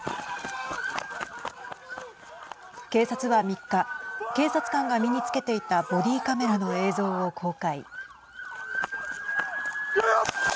警察は３日警察官が身につけていたボディーカメラの映像を公開。